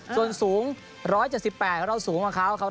ส่วนสูง๑๗๘เราสูงกว่าเขา